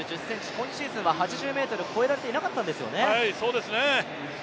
今シーズンは８０ｍを越えられていなかったんですよね。